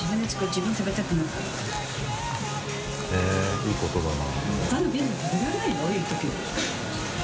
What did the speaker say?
へぇいいことだな。